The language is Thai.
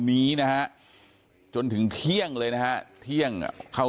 ผู้ชมครับท่าน